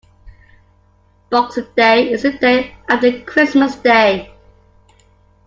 Boxing Day is the day after Christmas Day.